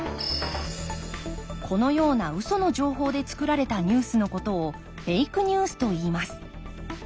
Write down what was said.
このようなウソの情報でつくられたニュースのことをフェイクニュースといいます。